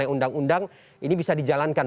undang undang ini bisa dijalankan